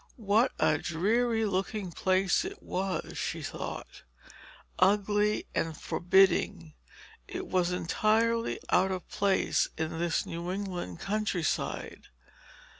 What a dreary looking place it was, she thought. Ugly and forbidding, it was entirely out of place in this New England countryside.